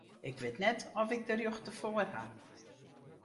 Ik wit net oft ik de rjochte foar haw.